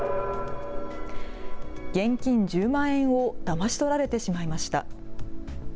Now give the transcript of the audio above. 現金１０万円をだまし取られてしまいました。